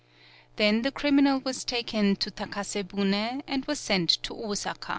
Then the criminal was taken to Takase bune and was sent to Osaka.